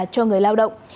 cho người lao động